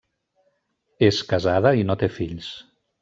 És casada i no té fills.